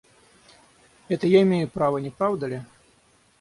Это я имею право, не правда ли?